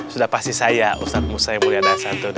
sudah pasti saya ustaz musa yang mulia dan santun